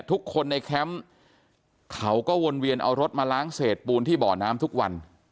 ทุกคนในแคมป์เขาก็วนเวียนเอารถมาล้างเศษปูนที่บ่อน้ำทุกวัน